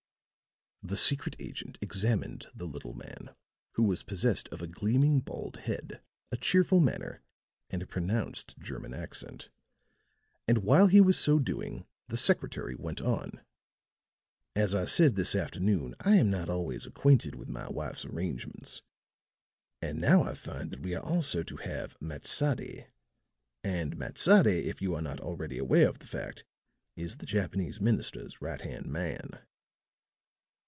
The secret agent examined the little man, who was possessed of a gleaming bald head, a cheerful manner, and a pronounced German accent; and while he was so doing, the secretary went on: "As I said this afternoon, I am not always acquainted with my wife's arrangements. And now I find that we are also to have Matsadi and Matsadi, if you are not already aware of the fact, is the Japanese minister's right hand man."